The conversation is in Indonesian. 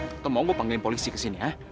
atau mau gua panggilin polisi ke sini ya